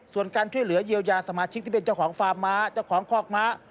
ส่วนการช่วยเหลือเยียวยาสมาชิกที่เป็นเจ้าของฟาร์มม้าเจ้าของคอกม้า